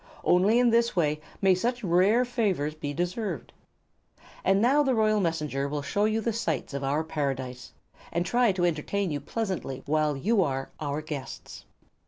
Only in this way may such rare favors be deserved. And now the royal Messenger will show you the sights of our Paradise, and try to entertain you pleasantly while you are our guests."